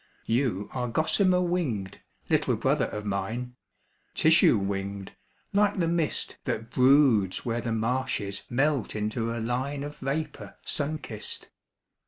You are gossamer winged, little brother of mine, Tissue winged, like the mist That broods where the marshes melt into a line Of vapour sun kissed.